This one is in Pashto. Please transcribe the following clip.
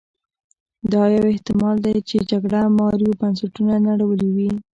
دا یو احتما ل دی چې جګړه مارو بنسټونه نړولي وي.